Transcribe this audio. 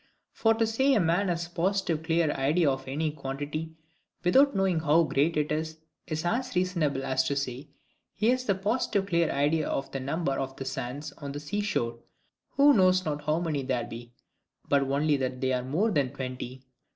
For to say a man has a positive clear idea of any quantity, without knowing how great it is, is as reasonable as to say, he has the positive clear idea of the number of the sands on the sea shore, who knows not how many there be, but only that they are more than twenty.